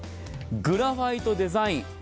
グラファイトデザイン。